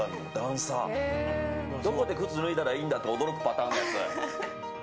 どこで靴を脱いだらいいんだって驚くパターンです。